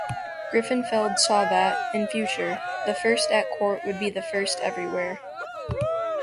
Griffenfeld saw that, in future, the first at court would be the first everywhere.